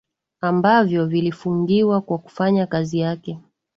ambavyo vilifungiwa kwa kufanya kazi zake